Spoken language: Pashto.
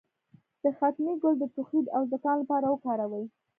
د ختمي ګل د ټوخي او زکام لپاره وکاروئ